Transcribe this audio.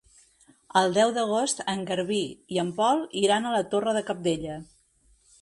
El deu d'agost en Garbí i en Pol iran a la Torre de Cabdella.